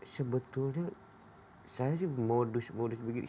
sebetulnya saya sih modus modus begini